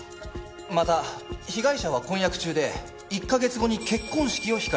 また被害者は婚約中で１カ月後に結婚式を控えていました。